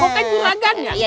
kau kan curagan ya